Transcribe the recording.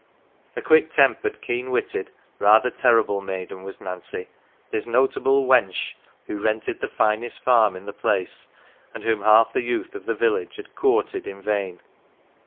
A quick tempered, keen witted, rather terrible maiden was Nancy, this notable " wench " who rented the finest farm in the place and whom half the youth of the village had " coorted "" in vain.